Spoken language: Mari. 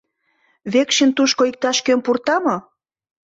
— Векшин тушко иктаж-кӧм пурта мо!